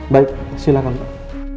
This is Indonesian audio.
baik silakan pak